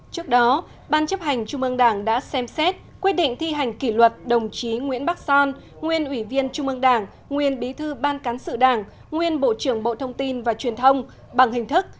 trước đó ban chấp hành trung ương đảng đã xem xét quyết định thi hành kỷ luật đồng chí nguyễn bắc son nguyên ủy viên trung ương đảng nguyên bí thư ban cán sự đảng nguyên bộ trưởng bộ thông tin và truyền thông bằng hình thức